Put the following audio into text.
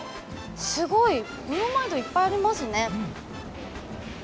すごい！ブロマイドいっぱいありますね。